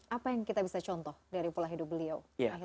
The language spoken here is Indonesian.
apa yang kita bisa contoh dari pola hidup beliau